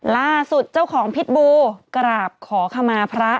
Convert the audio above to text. ล่าสุดเจ้าของพิษบูกราบขอขมาพระ